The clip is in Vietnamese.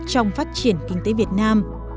trong phát triển kinh tế việt nam